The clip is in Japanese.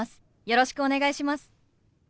よろしくお願いします。